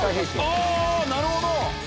ああなるほど！